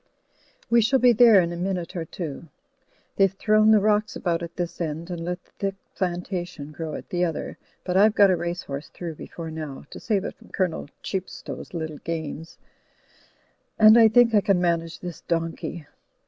We shall be there in a minute or two. They've thrown the rocks about at this end; and let the thick plantation grow at the other, but I've got a race horse through before now, to save it from Colonel Qiep stow's little games, and I think I can manage this donkey.